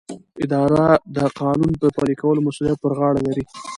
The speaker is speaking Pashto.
اداره د قانون د پلي کولو مسؤلیت پر غاړه لري.